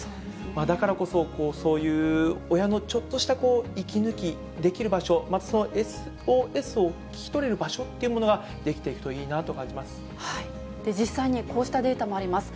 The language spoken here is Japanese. だからこそ、そういう親のちょっとした息抜きできる場所、またそのＳＯＳを聞き取れる場所というのができていくといいなと実際に、こうしたデータもあります。